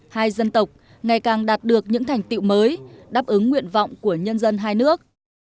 hai dân tộc ngày càng đạt được những thành tiệu mới đáp ứng nguyện vọng của nhân dân hai nước